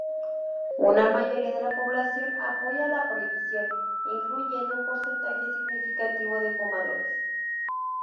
Una mayoría de la población apoya la prohibición, incluyendo un porcentaje significativo de fumadores.